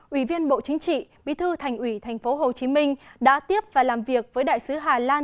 ủy viên bộ chính trị bí thư thành ủy tp hcm đã tiếp và làm việc với đại sứ hà lan